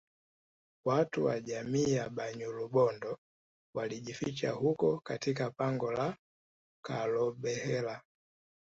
Watu wa jamii ya Banyarubondo walijificha huko katika pango la Karobhela